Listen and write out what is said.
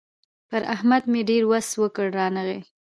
پر احمد مې ډېر وس وکړ؛ رانغی.